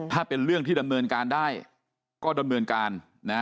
ถ้าเป็นเรื่องที่ดำเนินการได้ก็ดำเนินการ